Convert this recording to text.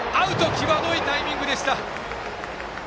際どいタイミングでした。